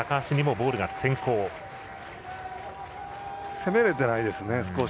攻めれてないですね。